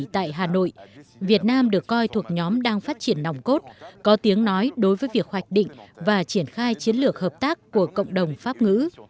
tại hà nội việt nam được coi thuộc nhóm đang phát triển nòng cốt có tiếng nói đối với việc hoạch định và triển khai chiến lược hợp tác của cộng đồng pháp ngữ